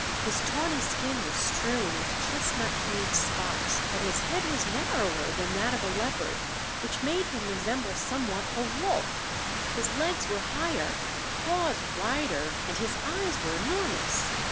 His tawny skin was strewn with chestnut hued spots, but his head was narrower than that of a leopard, which made him resemble somewhat a wolf; his legs were higher, paws wider, and his eyes were enormous.